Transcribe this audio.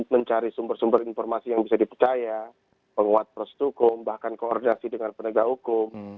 mencari sumber sumber informasi yang bisa dipercaya penguat prosedur hukum bahkan koordinasi dengan penegak hukum